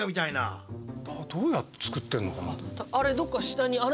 どうやって作ってんのかな。